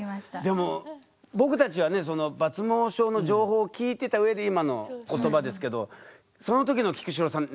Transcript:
でも僕たちはね抜毛症の情報を聞いてた上で今の言葉ですけどそのときの菊紫郎さん